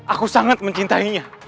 aku sangat mencintainya